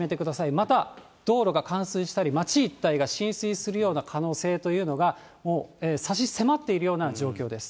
また、道路が冠水したり、町一帯が浸水するような可能性というのが、もう差し迫っているような状況です。